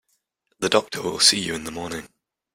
The doctor will see you in the morning.